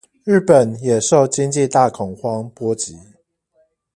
日本也受經濟大恐慌波及